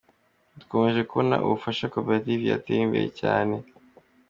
Dukomeje kubona ubufasha Koperative yatera imbere cyane”.